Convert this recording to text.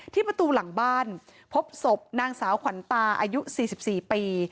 ที่ประตูหลังบ้านพบศพนางสาวขวัญตาอายุสี่สิบสี่ปี